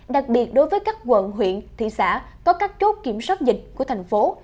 đặc biệt đối với các quận huyện thị xã có các chốt kiểm soát dịch của thành phố